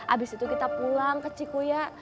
abis itu kita pulang ke cikgu ya